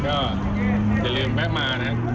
ก็อย่าลืมแวะมานะครับ